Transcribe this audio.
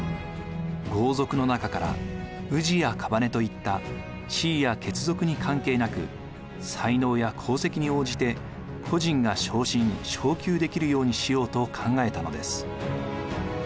豪族の中から氏や姓といった地位や血族に関係なく才能や功績に応じて個人が昇進・昇給できるようにしようと考えたのです。